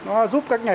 nó giúp các nhà